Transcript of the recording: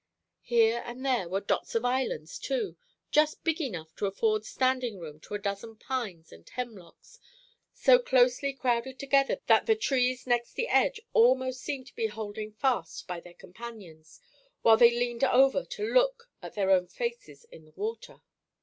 Here and there were dots of islands too, just big enough to afford standing room to a dozen pines and hemlocks, so closely crowded together that the trees next the edge almost seemed to be holding fast by their companions while they leaned over to look at their own faces in the water.